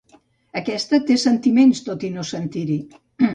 Aquesta té sentiments tot i no sentir-hi.